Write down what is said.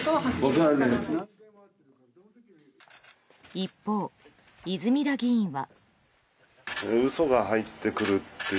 一方、泉田議員は。